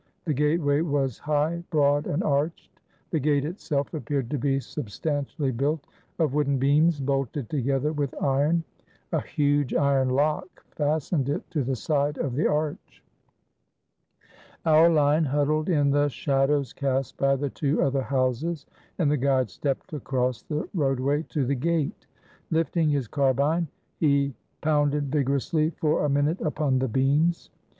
The gateway was high, broad, and arched. The gate, itself, appeared to be substantially built of wooden beams, bolted together with iron. A huge iron lock fastened it to the side of the arch. Our line huddled in the shadows cast by the two other houses, and the guide stepped across the roadway to the gate. Lifting his carbine, he pounded vigorously for a minute upon the beams.